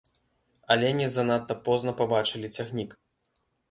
Алені занадта позна пабачылі цягнік.